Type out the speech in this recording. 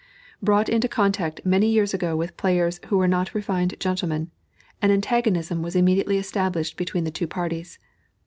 Brought into contact many years ago with players who were not refined gentlemen, an antagonism was immediately established between the two parties.